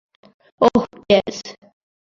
ওহ, yes.